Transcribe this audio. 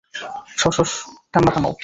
সশস, কান্না থামাও।